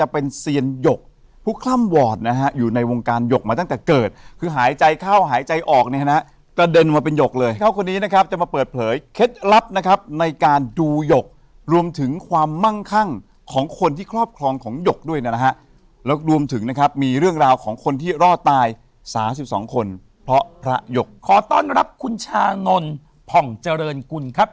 เป็นเซียนหยกผู้คล่ำวอดนะฮะอยู่ในวงการหยกมาตั้งแต่เกิดคือหายใจเข้าหายใจออกเนี่ยฮะกระเด็นมาเป็นหยกเลยเข้าคนนี้นะครับจะมาเปิดเผยเคล็ดลับนะครับในการดูหยกรวมถึงความมั่งคั่งของคนที่ครอบครองของหยกด้วยนะฮะแล้วรวมถึงนะครับมีเรื่องราวของคนที่รอดตายสามสิบสองคนเพราะพระหยกขอต้อนรับคุณชานนท์ผ่องเจริญกุลครับ